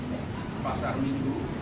intensif di pasar minggu